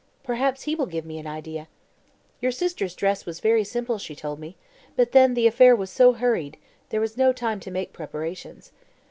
Perhaps he will give me an idea. Your sister's dress was very simple, she told me; but then the affair was so hurried there was no time to make preparations.